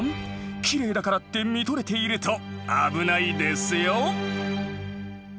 きれいだからって見とれていると危ないですよ。